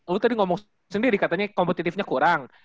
lu tadi ngomong sendiri katanya kompetitifnya kurang